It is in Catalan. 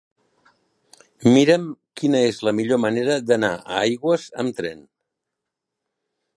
Mira'm quina és la millor manera d'anar a Aigües amb tren.